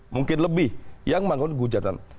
mungkin lebih yang menggunakan gugatan